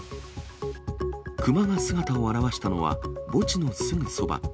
クマが姿を現したのは墓地のすぐそば。